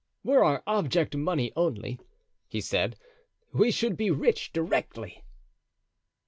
"Were our object money only," he said, "we should be rich directly."